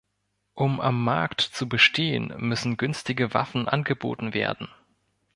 Um am Markt zu bestehen, müssen günstige Waffen angeboten werden.